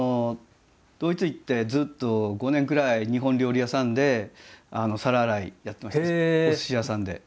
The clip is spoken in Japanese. ドイツ行ってずっと５年くらい日本料理屋さんで皿洗いやってましたお寿司屋さんで。